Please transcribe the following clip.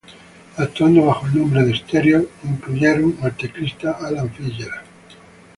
Actuando bajo el nombre de "Stereo", incluyeron al teclista Alan Fitzgerald.